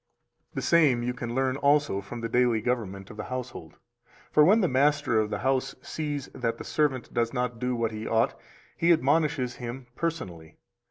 277 The same you can learn also from the daily government of the household. For when the master of the house sees that the servant does not do what he ought, he admonishes him personally.